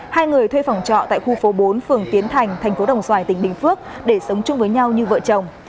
hai người thuê phòng trọ tại khu phố bốn phường tiến thành thành phố đồng xoài tỉnh bình phước để sống chung với nhau như vợ chồng